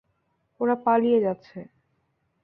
ওরা পালিয়ে যাচ্ছে!